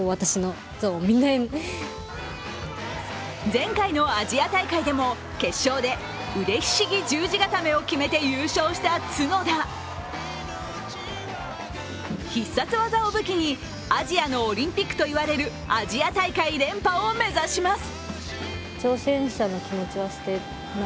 前回のアジア大会でも決勝で腕ひしぎ十字固めを決めて優勝した角田必殺技を武器に、アジアのオリンピックと言われるアジア大会連覇を目指します。